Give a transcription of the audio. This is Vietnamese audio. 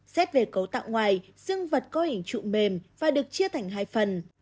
xét về cấu tạo ngoài xương vật có hình trụ mềm và được chia thành hai phần